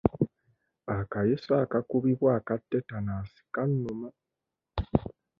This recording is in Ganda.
Akayiso akakubibwa aka tetanasi kannuma.